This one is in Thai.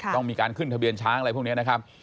ต้องมีการขึ้นทะเบียนช้างอะไรพวกนี้นะครับ